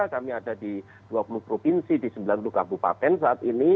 kami ada di dua puluh provinsi di sembilan puluh kabupaten saat ini